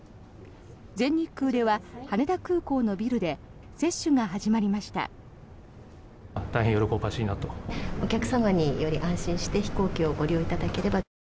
全日空では羽田空港のビルで接種が始まりました。